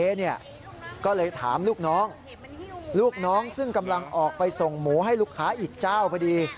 ก็เลยถามลูกน้องลูกน้องซึ่งกำลังออกไปส่งหมูให้ลูกค้าอีกเจ้าพอดี